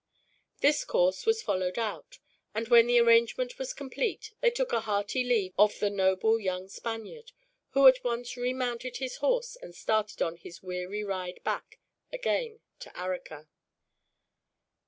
This course was followed out, and when the arrangement was complete they took a hearty leave of the noble young Spaniard, who at once remounted his horse and started on his weary ride back again to Arica.